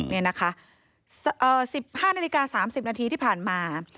๑๕นาฬิกา๓๐นาทีที่ผ่านมา